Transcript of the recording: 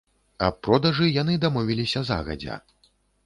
Аб продажы яны дамовіліся загадзя.